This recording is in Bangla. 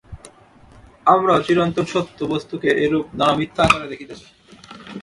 আমরাও চিরন্তন সত্য-বস্তুকে এইরূপ নানা মিথ্যা আকারে দেখিতেছি।